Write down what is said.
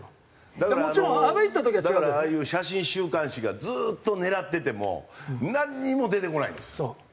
だからあのだからああいう写真週刊誌がずーっと狙っててもなんにも出てこないんですよ。